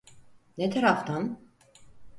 Ne taraftan?